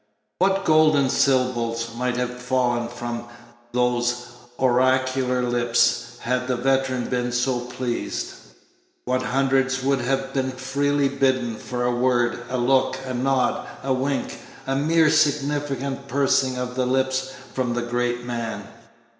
What golden syllables might have fallen from those oracular lips had the veteran been so pleased! What hundreds would have been freely bidden for a word, a look, a nod, a wink, a mere significant pursing up of the lips from that great man!